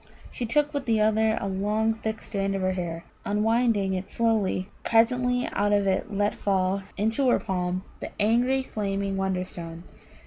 She took with the other a long thick strand of her hair, and, unwinding it slowly, presently out of it let fall into her palm the angry flaming Wonderstone.